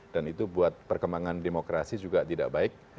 dan itu buat perkembangan demokrasi juga tidak baik